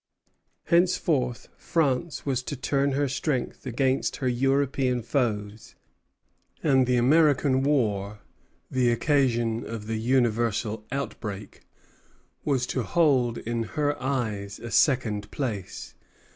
Henceforth France was to turn her strength against her European foes; and the American war, the occasion of the universal outbreak, was to hold in her eyes a second place.